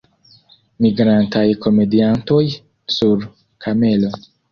Migrantaj komediantoj sur kamelo.